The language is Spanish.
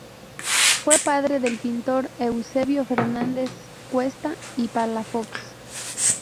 Fue padre del pintor Eusebio Fernández Cuesta y Palafox.